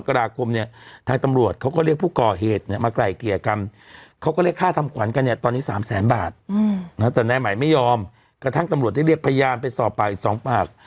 กระทั่งตำรวจได้เรียกพยายามไปศภอีกสองปาก